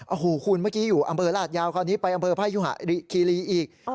โอ้โหคุณเมื่อกี้อยู่อำเภอราชยาวคราวนี้ไปอำเภอพยุหะคีรีอีก